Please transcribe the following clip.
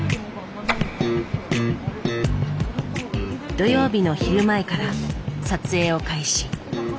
土曜日の昼前から撮影を開始。